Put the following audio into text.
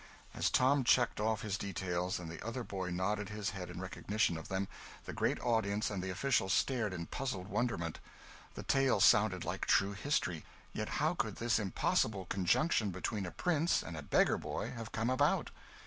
As Tom checked off his details, and the other boy nodded his head in recognition of them, the great audience and the officials stared in puzzled wonderment; the tale sounded like true history, yet how could this impossible conjunction between a prince and a beggar boy have come about?